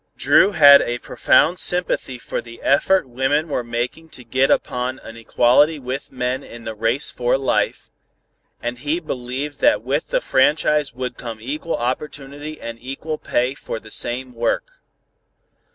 Dru had a profound sympathy for the effort women were making to get upon an equality with men in the race for life: and he believed that with the franchise would come equal opportunity and equal pay for the same work.